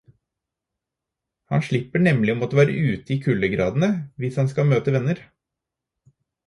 Han slipper nemlig å måtte være ute i kuldegradene hvis han skal møte venner.